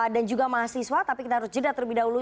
dan juga mahasiswa tapi kita harus jeda terlebih dahulu